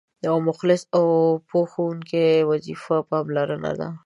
د یو مخلص او پوه ښوونکي وظیفه پاملرنه ده.